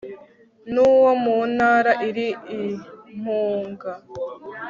n'uwo mu ntara iri i mpunga